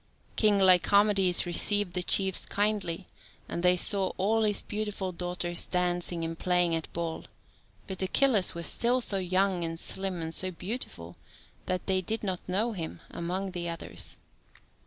King Lycomedes received the chiefs kindly, and they saw all his beautiful daughters dancing and playing at ball, but Achilles was still so young and slim and so beautiful that they did not know him among the others.